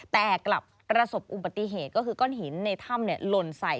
แต่กลับประสบอุบัติเหตุก็คือก้อนหินในถ้ำหล่นใส่